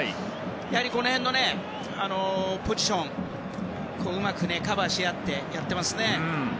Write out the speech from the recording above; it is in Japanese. この辺のポジションをうまくカバーし合ってやってますね。